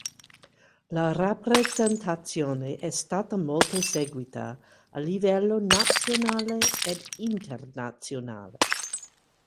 La rappresentazione è stata molto seguita a livello nazionale ed internazionale.